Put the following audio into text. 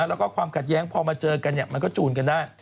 แล้วก็ความขัดแย้งพอมาเจอกันมันก็จูนกันได้